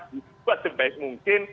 dibuat sebaik mungkin